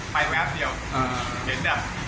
ไปแวบเดียวเห็นแบบ